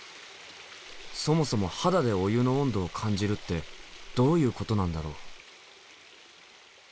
そもそも肌でお湯の温度を感じるってどういうことなんだろう？